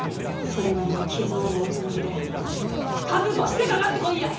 それなりの傷を負うつもりで覚悟してかかってこいや！